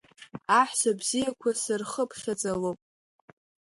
Аҳәса бзиақәа сырхыԥхьаӡалоуп.